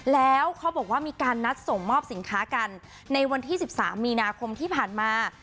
แล้วเขาบอกว่ามีการนัดส่งมอบสินค้ากันในวันที่๑๓มีนาคมที่ผ่านมา